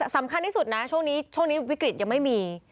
สำคัญที่สุดนะช่วงนี้ช่วงนี้วิกฤตยังไม่มี